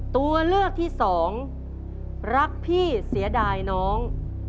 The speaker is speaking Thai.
ตัวเลือกที่สองรักพี่เสียดายน้อง